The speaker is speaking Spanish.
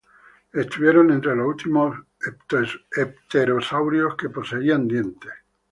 Estuvieron entre los últimos pterosaurios que poseían dientes.